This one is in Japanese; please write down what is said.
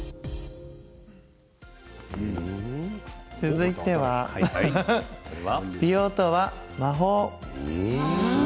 続いては美容とは魔法。